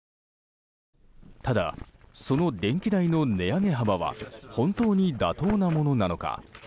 ただ、その電気代の値上げ幅は本当に妥当なものなのか。